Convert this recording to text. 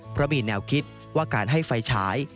เพราะมีแนวคิดว่าการให้ไฟฉาย